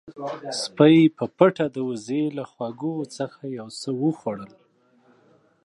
سپی په پټه د وزې له خواږو څخه یو څه وخوړل.